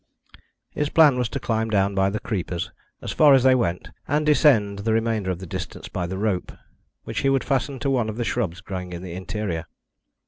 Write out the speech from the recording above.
His plan was to climb down by the creepers as far as they went, and descend the remainder of the distance by the rope, which he would fasten to one of the shrubs growing in the interior.